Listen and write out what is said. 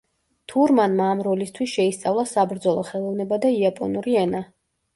თურმანმა ამ როლისთვის შეისწავლა საბრძოლო ხელოვნება და იაპონური ენა.